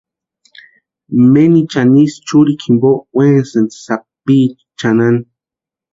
Menichani ísï churikwa jimpo weakusïnti sapicha chʼanani.